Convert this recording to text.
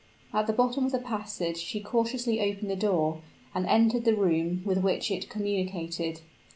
At the bottom of the passage she cautiously opened the door, and entered the room with which it communicated.